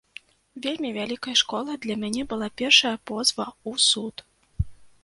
Вельмі вялікай школай для мяне была першая позва ў суд.